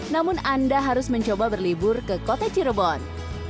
namun anda harus mencoba berlibur ke kota cirebon